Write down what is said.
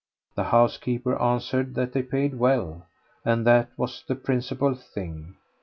The housekeeper answered that they paid well, and that was the principal thing.